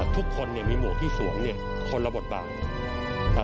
ทุกคนมีหมวกที่สวมคนละบทบาท